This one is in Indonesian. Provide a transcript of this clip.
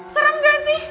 serem gak sih